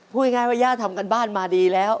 พูดง่ายว่าย่าทำการบ้านมาดีแล้ว